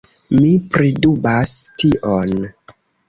Mi pridubas tion.